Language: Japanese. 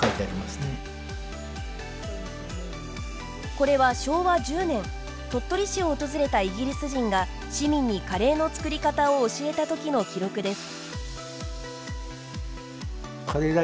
これは昭和１０年鳥取市を訪れたイギリス人が市民にカレーの作り方を教えた時の記録です。